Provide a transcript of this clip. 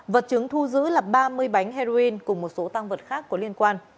vật chứng thu giữ là ba mươi bánh heroin cùng một số tăng vật khác có liên quan